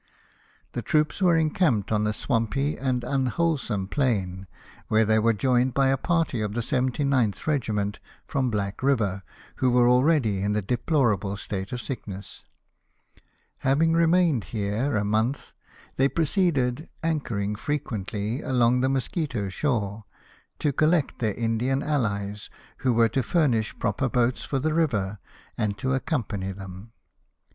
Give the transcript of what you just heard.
The troops were encamped on a swampy and unwholesome plain, where they were joined by a party of the 79th regiment, from Black River, who were already in a deplorable state of sickness. Having remained here a month, they proceeded, anchoring frequently, along the Mosquito shore, to collect their Indian alhes, who were to furnish proper boats for the river, and to accompany them.